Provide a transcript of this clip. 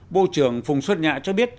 bộ trưởng phùng xuân nhã cho biết